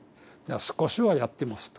少しはやってますと。